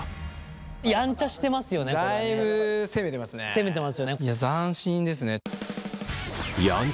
攻めてますよね。